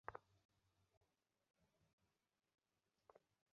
আর শুধু করোনা হলে আপনাকে অন্য চিন্তা করতে হবে।